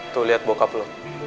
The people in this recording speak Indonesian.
tuh liat bokap lo